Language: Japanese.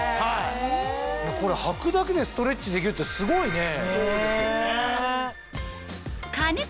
これ履くだけでストレッチできるってすごいね！ね！